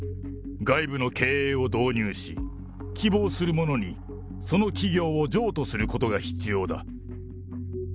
外部の経営を導入し、希望する者にその企業を譲渡することが必要だ。